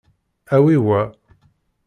Awi wa.